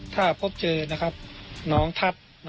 ถ้าพบเจอน้องธัศน์